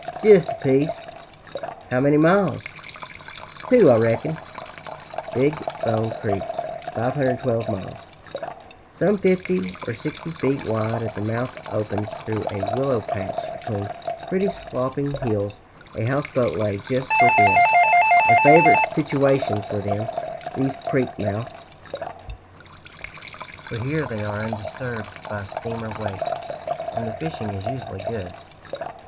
"Jist a piece!" "How many miles?" "Two, I reck'n." Big Bone Creek (512 miles), some fifty or sixty feet wide at the mouth, opens through a willow patch, between pretty, sloping hills. A houseboat lay just within a favorite situation for them, these creek mouths, for here they are undisturbed by steamer wakes, and the fishing is usually good.